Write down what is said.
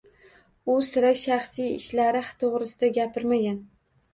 U sira shaxsiy ishlari to`g`risida gapirmagan